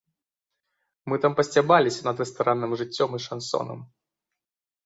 Мы там пасцябаліся над рэстаранным жыццём і шансонам.